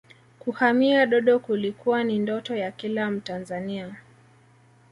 kuhamia dodo kulikuwa ni ndoto ya kila mtanzania